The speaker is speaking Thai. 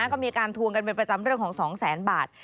ก็มีการทวงกันเป็นประจำเรื่องของ๒แสนบาท